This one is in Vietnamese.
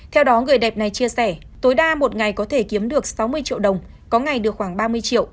theo đó người đẹp này chia sẻ tối đa một ngày có thể kiếm được sáu mươi triệu đồng có ngày được khoảng ba mươi triệu